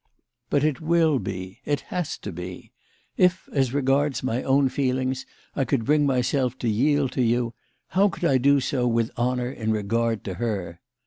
"But it will be. It has to be. If as regards my own feelings I could bring myself to yield to you, how could I do so with honour in regard to her